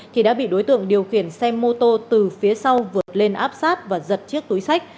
thì đã bị đối tượng điều khiển xe mô tô từ phía sau vượt lên áp sát và giật chiếc túi sách